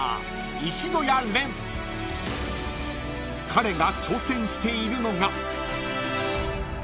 ［彼が挑戦しているのが］